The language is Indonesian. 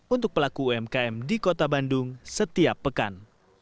untuk pelaku umkm di kota bandung setiap pekan